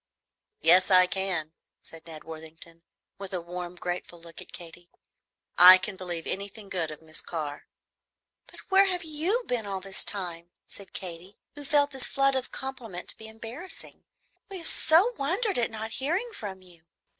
"Yes, I can," said Ned Worthington, with a warm, grateful look at Katy. "I can believe anything good of Miss Carr." "But where have you been all this time?" said Katy, who felt this flood of compliment to be embarrassing; "we have so wondered at not hearing from you."